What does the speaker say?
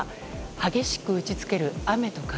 激しく打ち付ける雨と風。